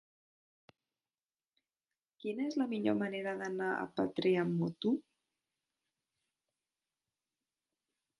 Quina és la millor manera d'anar a Petrer amb moto?